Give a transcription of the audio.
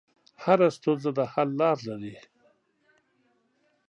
هره ستونزه د حل لاره لري.